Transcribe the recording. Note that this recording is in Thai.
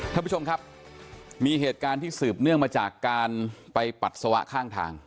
ท่านผู้ชมครับมีเหตุการณ์ที่สืบเนื่องมาจากการไปปัสสาวะข้างทาง